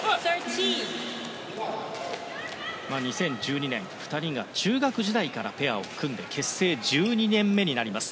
２０１２年、２人が中学時代からペアを組んで結成１２年目になります。